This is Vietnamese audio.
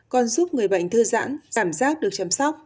còn giúp người bệnh thư giãn cảm giác được chăm sóc